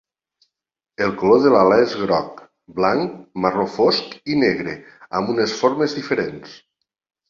El color de l'ala és groc, blanc, marró fosc i negre, amb un formes diferents.